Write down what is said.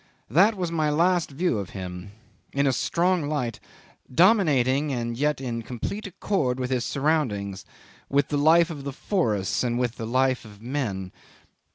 That was my last view of him in a strong light, dominating, and yet in complete accord with his surroundings with the life of the forests and with the life of men.